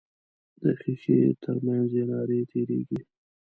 د ښیښې تر منځ یې نارې تیریږي.